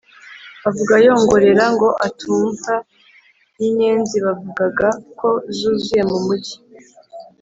avuga yongorera ngo atumvwa n'inyenzi bavugaga ko zuzuye mu mujyi,